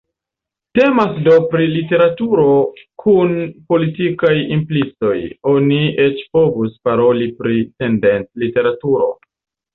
Temas do pri literaturo kun politikaj implicoj, oni eĉ povus paroli pri “tendenc-literaturo”.